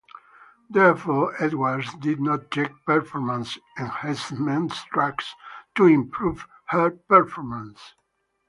Therefore, Edwards did not take performance enhancement drugs to improve her performance.